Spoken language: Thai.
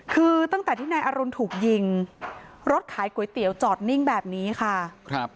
คือตั้งแต่ที่นายอรุณถูกยิงรถขายก๋วยเตี๋ยวจอดนิ่งแบบนี้ค่ะครับ